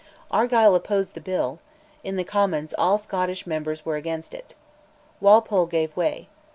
Argyll opposed the Bill; in the Commons all Scottish members were against it; Walpole gave way.